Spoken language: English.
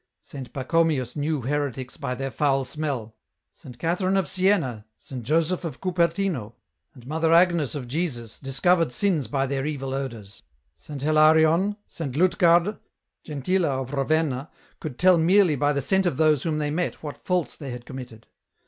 Saint Pacomius knew heretics by their foul smell , Saint Catherine of Siena, Saint Joseph of Cupertino and Mother Agnes of Jesus discovered sins by their evil odours ; Saint Hilarion, Saint Lutgarde, Gentilla of Ravenna, could tell merely by the scent of those whom they met what faults they had committed.